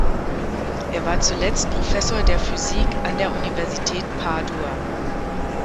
Er war zuletzt Professor der Physik an der Universität Padua.